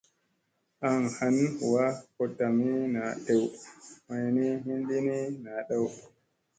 Aŋ han huwa ko tami naa tew mayni hin li ni na dow.